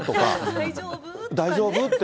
大丈夫？って。